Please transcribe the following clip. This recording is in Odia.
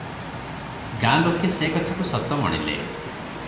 ଗାଁ ଲୋକେ ସେ କଥାକୁ ସତ ମଣିଲେ ।